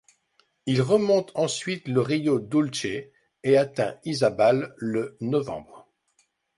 Il remonte ensuite le rio Dulce et atteint Izabal le novembre.